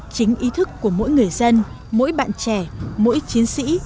chính ý thức của mỗi người dân mỗi bạn trẻ mỗi chiến sĩ